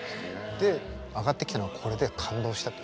で上がってきたのがこれで感動したっていう。